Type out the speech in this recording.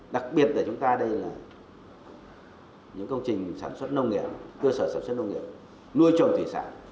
đặc biệt là chúng ta đây là những công trình sản xuất nông nghiệp cơ sở sản xuất nông nghiệp nuôi trồng thủy sản